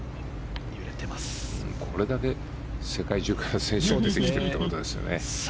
これだけ世界中から選手が出てきてるってことですよね。